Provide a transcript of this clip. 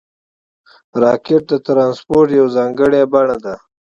راکټ د ترانسپورټ یوه ځانګړې بڼه ده